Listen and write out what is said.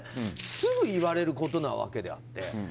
すぐ言われることなわけであって。